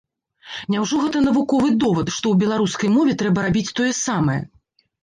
Няўжо гэта навуковы довад, што ў беларускай мове трэба рабіць тое самае?